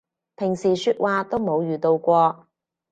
平時說話都冇遇到過